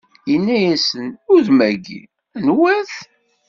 Inna-asen: Udem-agi? anwa-t?